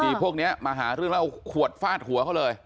มีพวกนี้มาหาเรื่องแล้วเอาขวดฟาดหัวเขาเลย